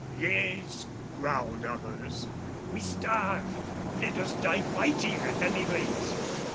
"Yes," growled others, "we starve. Let us die fighting at any rate."